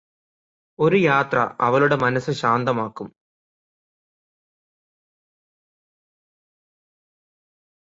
ഒരു യാത്ര അവളുടെ മനസ്സ് ശാന്തമാക്കും